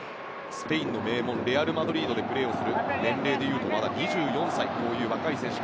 スペインの名門レアル・マドリードでプレーする年齢でいうとまだ２４歳という若い選手。